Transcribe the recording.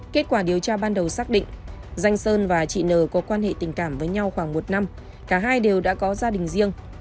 kết quả điều tra ban đầu xác định danh sơn và chị nờ có quan hệ tình cảm với nhau khoảng một năm cả hai đều đã có gia đình riêng